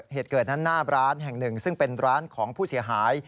เหตุเกิดนั้นหน้าร้านแห่งหนึ่งซึ่งเป็นร้านของผู้เสียหาย